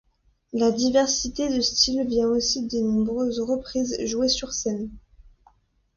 La diversité de style vient aussi des nombreuses reprises jouées sur scène.